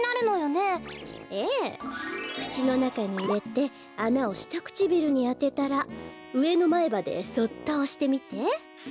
くちのなかにいれてあなをしたくちびるにあてたらうえのまえばでそっとおしてみて。